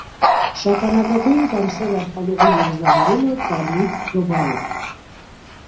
Շագանակագոյն կամ սեւ արխալուղի երիզաւորումը՝ կարմիր (քյոբայով)։